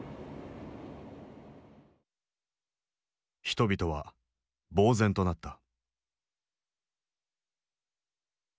人々はぼう然となった。